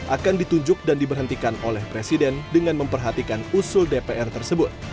akan ditunjuk dan diberhentikan oleh presiden dengan memperhatikan usul dpr tersebut